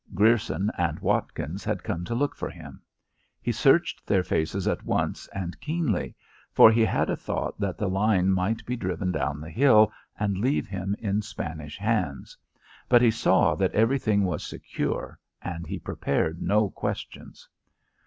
Grierson and Watkins had come to look for him. He searched their faces at once and keenly, for he had a thought that the line might be driven down the hill and leave him in Spanish hands. But he saw that everything was secure, and he prepared no questions.